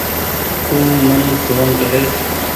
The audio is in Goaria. تو من ڦون ڪريس